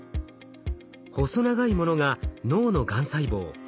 細長いものが脳のがん細胞。